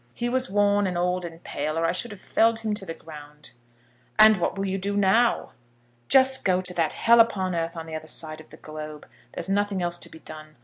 He was worn, and old, and pale, or I should have felled him to the ground." "And what will you do now?" "Just go to that hell upon earth on the other side of the globe. There's nothing else to be done.